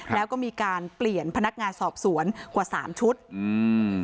แล้วก็มีการเปลี่ยนพนักงานสอบสวนกว่าสามชุดอืม